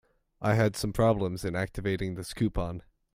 I had some problems in activating this coupon.